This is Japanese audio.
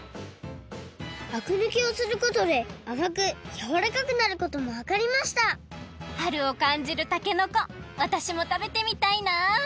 あくぬきをすることであまくやわらかくなることもわかりました春をかんじるたけのこわたしもたべてみたいな。